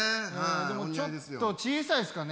でもちょっと小さいですかね。